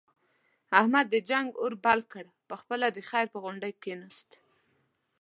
احمد د جنگ اور بل کړ، په خپله د خیر په غونډۍ کېناست.